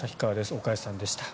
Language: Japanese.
岡安さんでした。